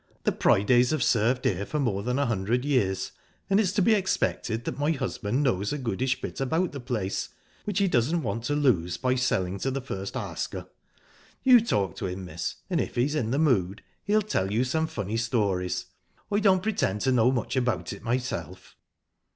The Pridays have served here for more than a hundred years, and it's to be expected that my husband knows a goodish bit about the place, which he doesn't want to lose by selling to the first asker. You talk to him, miss, and if he's in the mood he'll tell you some funny stories. I don't pretend to know much about it myself."